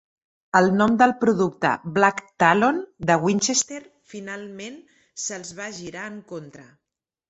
El nom del producte "Black Talon", de Winchester, finalment se'ls va girar en contra.